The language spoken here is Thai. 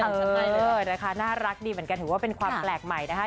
เบอร์ค่ะน่ารักดีเหมือนกันถือว่าเป็นความแปลกมายนะคะ